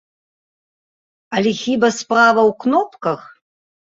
Але хіба справа ў кнопках?